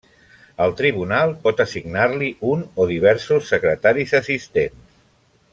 El Tribunal pot assignar-li un o diversos secretaris assistents.